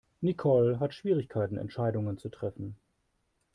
Nicole hat Schwierigkeiten Entscheidungen zu treffen.